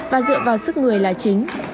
và dựa vào sức người là chính